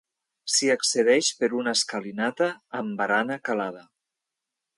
S'hi accedeix per una escalinata amb barana calada.